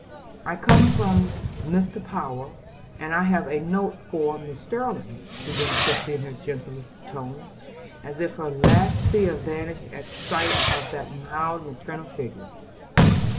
"I come from Mr. Power, and I have a note for Mrs. Sterling," began Christie in her gentlest tone, as her last fear vanished at sight of that mild maternal figure.